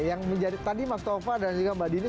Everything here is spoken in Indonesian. yang menjadi tadi mas tova dan juga mbak dini